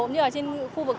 như là trên khu vực này